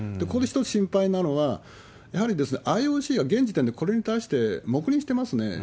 ここで一つ心配なのが、やはりＩＯＣは現時点でこれに対して黙認してますね。